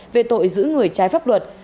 về tội giữ người trái pháp luật